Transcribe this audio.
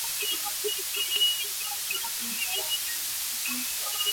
তিনি গুরুতর অসুস্থ হয়ে পড়েন এবং সেখানেই মৃত্যুবরণ করেন।